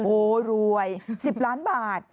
โอ้รวย๑๐ล้านบาท